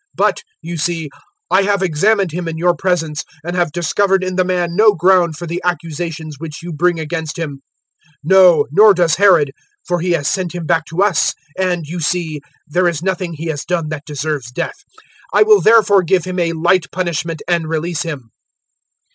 But, you see, I have examined him in your presence and have discovered in the man no ground for the accusations which you bring against him. 023:015 No, nor does Herod; for he has sent him back to us; and, you see, there is nothing he has done that deserves death. 023:016 I will therefore give him a light punishment and release him."